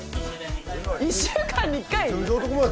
１週間に１回？